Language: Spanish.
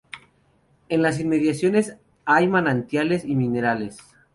En las inmediaciones hay manantiales minerales.